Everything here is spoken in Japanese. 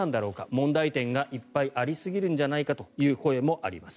問題点がいっぱいありすぎるんじゃないかという声もあります。